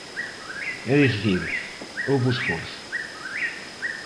É dicir, houbo esforzo.